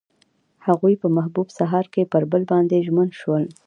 هغوی په محبوب سهار کې پر بل باندې ژمن شول.